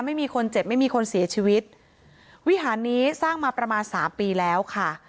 ไม่มีคนเจ็บไม่มีคนเสียชีวิตวิหารนี้สร้างมาประมาณสามปีแล้วค่ะ